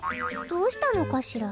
どうしたのかしら？